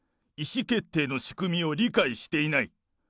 意思決定の仕組みを理解していない。